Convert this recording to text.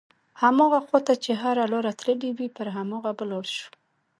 هماغه خواته چې هره لاره تللې وي پر هماغه به لاړ شو.